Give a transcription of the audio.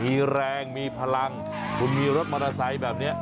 มีแรงมีพลังคุณมีรถมอเตอร์ไซค์แบบนี้